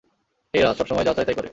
এই রাজ, সবসময় যা চায় তাই করে।